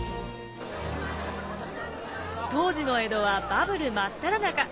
当時の江戸はバブル真っただ中。